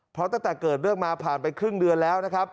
เพราะตั้งแต่เกิดเรื่องมาผ่านไปครึ่งเดือนแล้วนะครับ